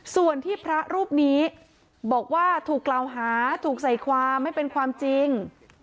ส่วนที่พระรูปนี้บอกว่าถูกกล่าวหาถูกใส่ความไม่เป็นความจริง